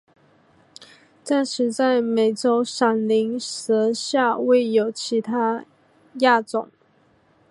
暂时在美洲闪鳞蛇下未有其它亚种。